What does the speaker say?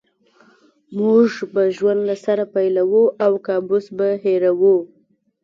موږ به ژوند له سره پیلوو او کابوس به هېروو